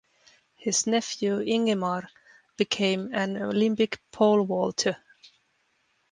His nephew Ingemar became an Olympic pole vaulter.